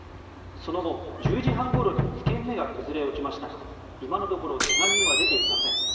その後、１０時半ごろに２軒目が崩れ落ちましたが今のところけが人は出ていません。